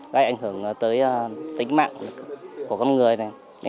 gây ảnh hưởng tới tính mạng của mình